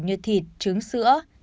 như thịt trứng sữa